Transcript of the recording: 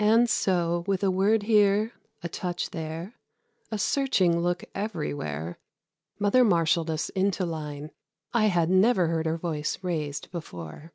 And so, with a word here, a touch there, a searching look everywhere, mother marshalled us into line. I had never heard her voice raised before.